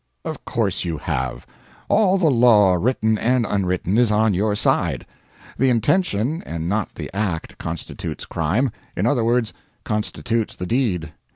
Of course you have. All the law, written and unwritten, is on your side. The intention and not the act constitutes crime in other words, constitutes the deed.